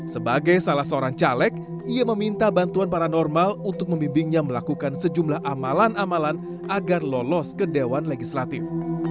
sebagai salah seorang caleg ia meminta bantuan paranormal untuk membimbingnya melakukan sejumlah amalan amalan agar lolos ke dewan legislatif